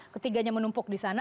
ketiganya menumpuk di sana